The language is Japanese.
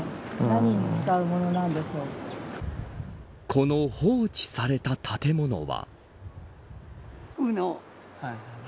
この放置された建物は。